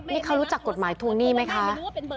นี่เขารู้จักกฎหมายทวงหนี้ไหมคะ